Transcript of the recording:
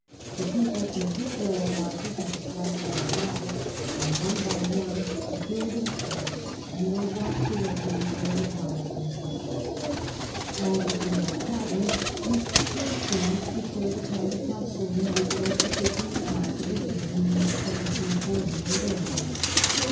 The people in this row of houses had to fly for their lives, and one by one the buildings fell and were washed away before the tide went down. i6 CAPTAIN COOK chap. All but the old tavern, which still stands to show the kind of hostelry which was the fisherman's house of re sort in the year 1740 or thereabouts.